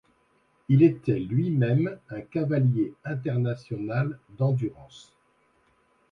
Il était lui-même un cavalier international d’endurance.